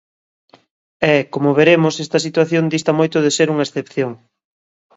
E, como veremos, esta situación dista moito de ser unha excepción.